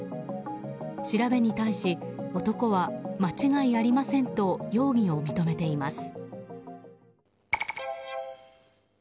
調べに対し、男は間違いありませんと容疑を認めています。